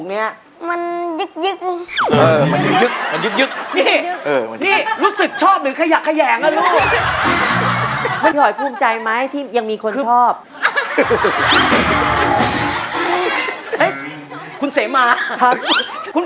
กำลังเสี่ยงเด็ก